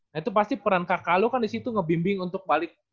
nah itu pasti peran kakak lo kan disitu ngebimbing untuk balik